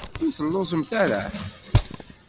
Ur telluẓemt ara?